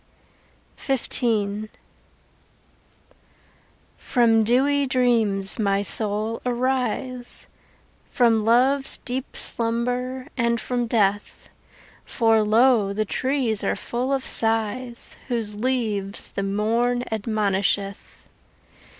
XV From dewy dreams, my soul, arise, From love's deep slumber and from death, For lo! the treees are full of sighs Whose leaves the morn admonisheth.